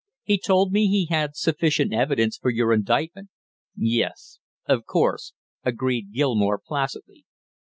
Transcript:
He told me he had sufficient evidence for your indictment." "Yes, of course," agreed Gilmore placidly.